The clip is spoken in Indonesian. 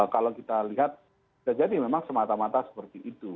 kalau kita lihat bisa jadi memang semata mata seperti itu